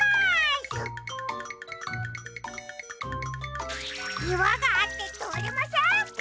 いわがあってとおれません。